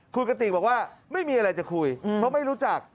คุณกติกบอกว่าไม่มีอะไรจะคุยเพราะไม่รู้จัก